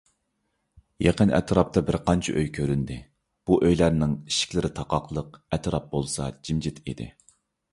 يېقىن ئەتراپتا بىرقانچە ئۆي كۆرۈندى، بۇ ئۆيلەرنىڭ ئىشىكلىرى تاقاقلىق، ئەتراپ بولسا جىمجىت ئىدى.